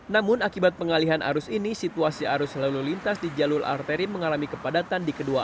namun akibat pengalihan arus ini situasi arus lalu lintas di jalur arteri mengalami kepadatan di kedua